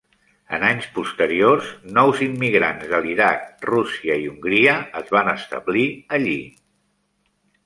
En anys posteriors, nous immigrants de l'Iraq, Rússia i Hongria es van establir allí.